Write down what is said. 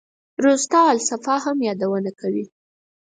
روضته الصفا هم یادونه کوي.